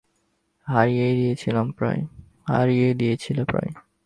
হারিয়েই দিয়েছিলে প্রায়।